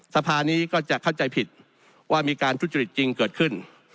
สภานี้ก็จะเข้าใจผิดว่ามีการทุจริตจริงเกิดขึ้น